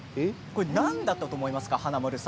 何だと思いますか。